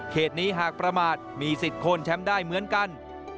เหตุนี้หากประมาทมีสิทธิ์โคนแชมป์ได้เหมือนกัน